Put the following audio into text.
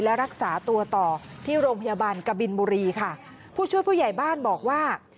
และรักษาตัวต่อที่โรงพยาบาลกบินบุรีค่ะผู้ช่วยผู้ใหญ่บ้านบอกว่า